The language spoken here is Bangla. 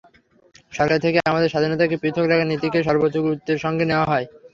সরকার থেকে আমাদের স্বাধীনতাকে পৃথক রাখার নীতিকে সর্বোচ্চ গুরুত্বের সঙ্গে নেওয়া হয়।